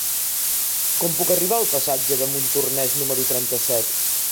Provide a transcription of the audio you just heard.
Com puc arribar al passatge de Montornès número trenta-set?